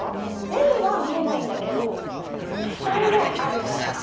目には見えないんだけど気体もあるんだから！